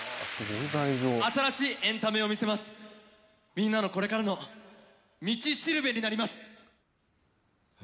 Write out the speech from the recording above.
みんなの、これからの道しるべになります！